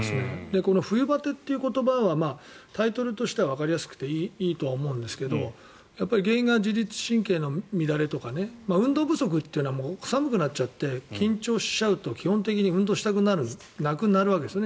この冬バテという言葉はタイトルとしてはわかりやすくていいとは思うんですが原因が自律神経の乱れとか運動不足というのは寒くなっちゃって緊張しちゃうと基本的に運動したくなくなるわけですね。